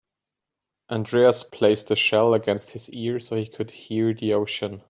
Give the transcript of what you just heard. Andreas placed the shell against his ear so he could hear the ocean.